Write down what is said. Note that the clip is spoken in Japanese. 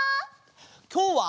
きょうは！